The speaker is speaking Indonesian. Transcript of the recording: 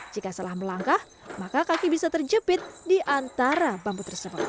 jika salah melangkah maka kaki bisa terjepit di antara bambu tersebut